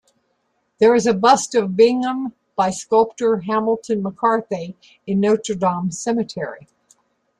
There is a bust of Bingham by sculptor Hamilton MacCarthy in Notre-Dame Cemetery.